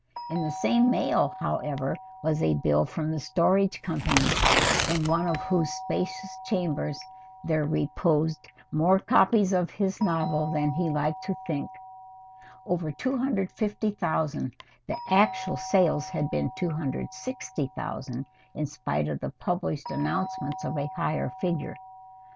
In the same mail, however, was a bill from the Storage Company, in one of whose spacious chambers there reposed more copies of his novel than he liked to think of over 250,000 the actual sales had been 260,000 in spite of the published announcements of a higher figure.